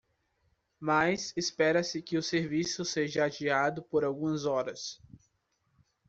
Mas espera-se que o serviço seja adiado por algumas horas.